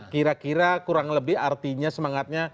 kira kira kurang lebih artinya semangatnya